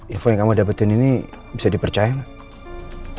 info yang kamu dapetin ini bisa dipercaya nggak